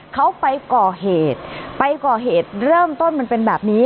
เขาไปก่อเหตุไปก่อเหตุเริ่มต้นมันเป็นแบบนี้